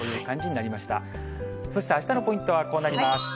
そしてあしたのポイントはこうなります。